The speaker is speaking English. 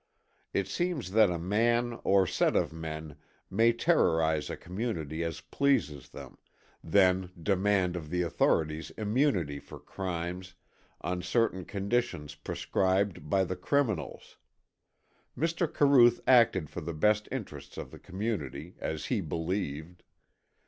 It seems that a man or set of men may terrorize a community as pleases them, then demand of the authorities immunity for crimes, on certain conditions prescribed by the criminals. Mr. Caruth acted for the best interests of the community, as he believed.